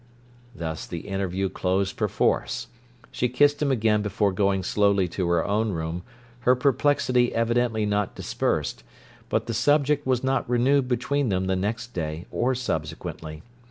Thus the interview closed perforce. She kissed him again before going slowly to her own room, her perplexity evidently not dispersed; but the subject was not renewed between them the next day or subsequently.